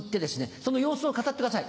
その様子を語ってください。